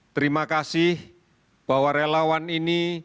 terima kasih bahwa relawan ini